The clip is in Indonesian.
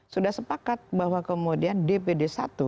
sudah sepakat bahwa kemudian dpd satu